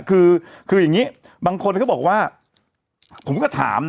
คือคืออย่างนี้บางคนก็บอกว่าผมก็ถามนะ